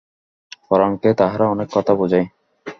পরাণকে তাহারা অনেক কথা বুঝায়।